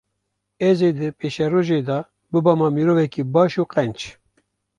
ez ê di pêşerojê de bibima mirovekê baş û qenc.